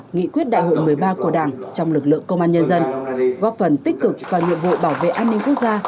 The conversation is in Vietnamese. nghị quyết đại hội một mươi ba của đảng trong lực lượng công an nhân dân góp phần tích cực và nhiệm vụ bảo vệ an ninh quốc gia